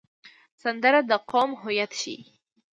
سندره د قوم هویت ښيي